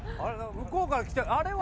向こうから来たあれは。